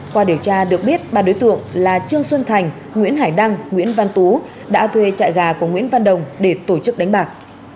qua điều tra được biết ba đối tượng là trương xuân thành nguyễn hải đăng nguyễn văn tú đã thuê chạy gà của nguyễn văn đồng để tổ chức đánh bạc